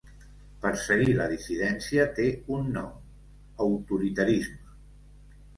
Perseguir la dissidència té un nom: autoritarisme.